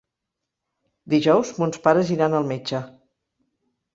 Dijous mons pares iran al metge.